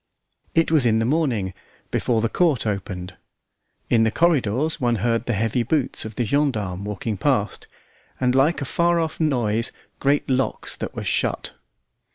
It was in the morning, before the court opened. In the corridors one heard the heavy boots of the gendarmes walking past, and like a far off noise great locks that were shut.